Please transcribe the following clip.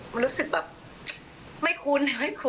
มันรู้สึกแบบไม่คุ้น